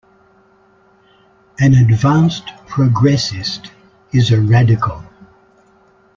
An advanced progressist is a radical.